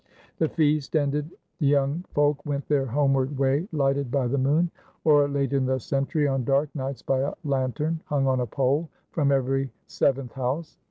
The feast ended, the young folk went their homeward way lighted by the moon, or, late in the century, on dark nights by a lantern hung on a pole from every seventh house.